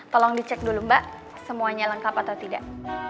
tolong dicek dulu mbak semuanya lengkap atau tidak